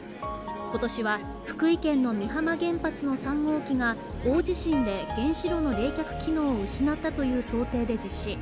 今年は福井県の美浜原発の３号機が大地震で原子炉の冷却機能を失ったという想定で実施。